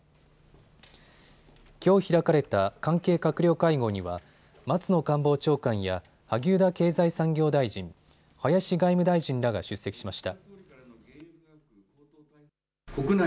きょう開かれた関係閣僚会合には松野官房長官や萩生田経済産業大臣、林外務大臣らが出席しました。